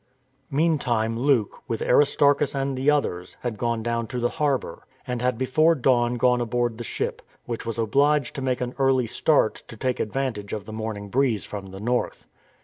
Meantime Luke, with Aristarchus and the others, had gone down to the harbour, and had before dawn gone aboard the ship, which was obliged to make an early start to take advantage of the morning breeze from the north.